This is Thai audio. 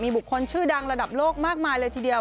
บุคคลชื่อดังระดับโลกมากมายเลยทีเดียว